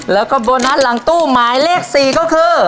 แล้วก็โบนัสหลังตู้หมายเลข๔ก็คือ